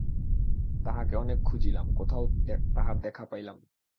তাঁহাকে অনেক খুঁজিলাম, কোথাও তাঁহার দেখা পাইলাম না।